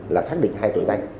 là xác định hai tội tranh